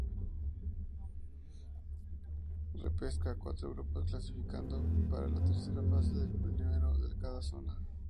Repesca: Cuatro grupos, clasificando para la tercera fase el primero de cada zona.